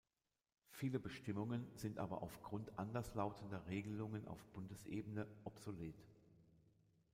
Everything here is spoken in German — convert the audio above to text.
Viele Bestimmungen sind aber auf Grund anders lautender Regelungen auf Bundesebene obsolet.